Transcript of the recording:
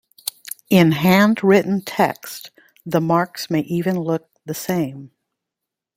In handwritten text the marks may even look the same.